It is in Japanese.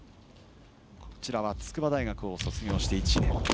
こちらは筑波大学を卒業して１年。